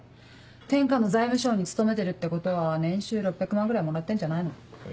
天下の財務省に勤めてるってことは年収６００万ぐらいもらってんじゃないの？